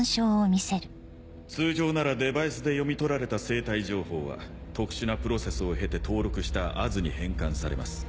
通常ならデバイスで読み取られた生体情報は特殊なプロセスを経て登録したＡｓに変換されます。